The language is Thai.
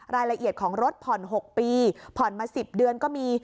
รายละเอียดของรถผ่อน๖ปีผ่อนมา๑๐เดือนก็มี